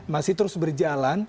masih terus berjalan